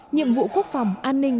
nhiệm vụ quốc phòng an ninh